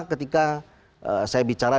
ketika saya bicara